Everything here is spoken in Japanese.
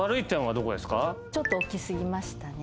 ちょっと大きすぎましたね。